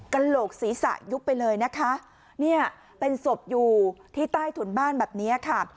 กระโหลกศีรษะยุบไปเลยนะคะเนี่ยเป็นศพอยู่ที่ใต้ถุนบ้านแบบนี้ค่ะ